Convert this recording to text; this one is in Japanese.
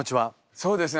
そうですね